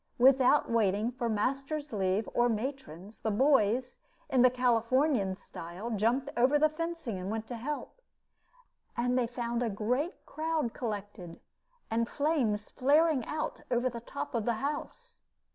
Without waiting for master's leave or matron's, the boys, in the Californian style, jumped over the fencing and went to help. And they found a great crowd collected, and flames flaring out of the top of the house.